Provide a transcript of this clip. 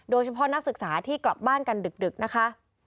โดยเฉพาะนักศึกษาที่กลับบ้านกันดึกนะคะ